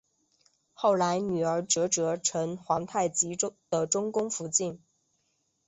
后来女儿哲哲成皇太极的中宫福晋。